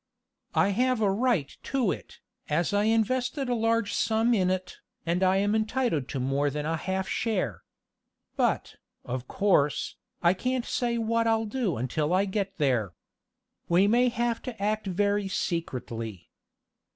"I have a right to it, as I invested a large sum in it, and I am entitled to more than a half share. But, of course, I can't say what I'll do until I get there. We may have to act very secretly."